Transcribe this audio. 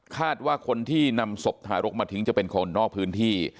คาดว่าคนที่นำศพทารกมาทิ้งจะเป็นคนนอกพื้นที่